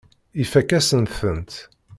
Ifakk-asent-tent.